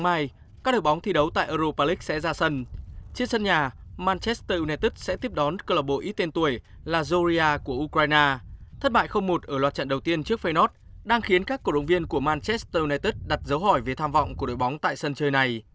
bại một ở loạt trận đầu tiên trước feyenoord đang khiến các cổ động viên của manchester united đặt dấu hỏi về tham vọng của đội bóng tại sân chơi này